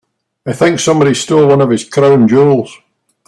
I think somebody stole one of his crown jewels.